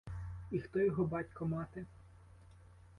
І хто його батько-мати?